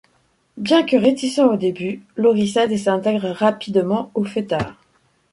Bien que réticent au début, Iori cède et s’intègre rapidement aux fêtards.